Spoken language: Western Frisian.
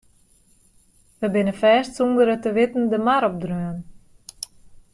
We binne fêst sûnder it te witten de mar opdreaun.